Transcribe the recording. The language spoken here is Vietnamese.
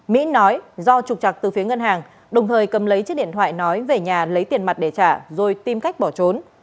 mỹ nói do trục trặc từ phía ngân hàng đồng thời cầm lấy chiếc điện thoại nói về nhà lấy tiền mặt để trả rồi tìm cách bỏ trốn